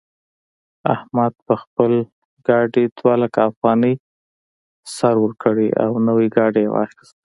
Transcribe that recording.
احمد په خپل ګاډي دوه لکه افغانۍ سر ورکړې او نوی ګاډی يې واخيست.